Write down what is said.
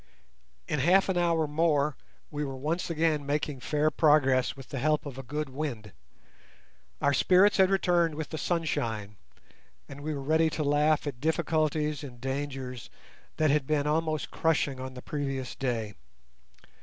In half an hour more we were once again making fair progress with the help of a good wind. Our spirits had returned with the sunshine, and we were ready to laugh at difficulties and dangers that had been almost crushing on the previous day.